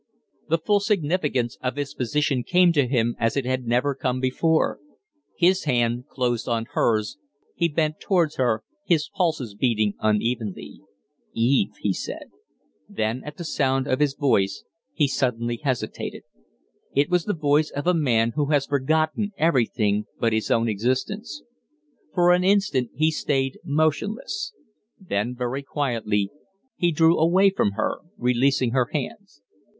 The full significance of his position came to him as it had never come before. His hand closed on hers; he bent towards her, his pulses beating unevenly. "Eve!" he said. Then at sound of his voice he suddenly hesitated. It was the voice of a man who has forgotten everything but his own existence. For an instant he stayed motionless; then very quietly he drew away from her, releasing her hands.